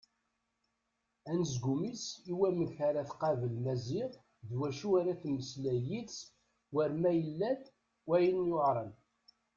Anezgum-is amek ara tqabel Maziɣ d wacu ara temmeslay yid-s war ma yella-d wayen yuɛren.